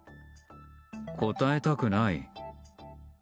答えたくない。